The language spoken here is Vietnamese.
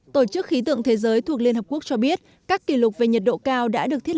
tổ chức khí tượng thế giới thuộc liên hợp quốc cho biết các kỷ lục về nhiệt độ cao đã được thiết